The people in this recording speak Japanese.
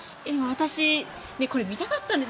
私これ見たかったんです。